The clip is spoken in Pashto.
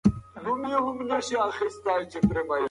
ده د امکان تر بريده د وعدو پوره کول غوښتل.